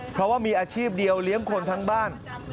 เพราะว่ามีอาชีพเดียวเลี้ยงคนทั้งบ้าน